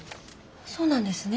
そうなんですね。